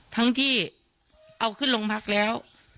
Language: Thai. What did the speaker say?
ทั้งที่เอาขึ้นโรงพักแล้ว